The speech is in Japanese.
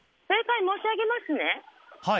正解を申し上げますね。